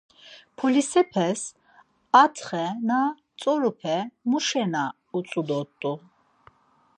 Polisepes atxe na tzorupe muşena utzu dort̆u?